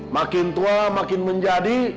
makin tua makin menjadi